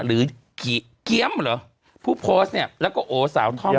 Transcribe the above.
หรือกี้เกี๊ยมหรอผู้โพสต์เนี่ยแล้วก็โอ๋สาวท่อมเนี่ย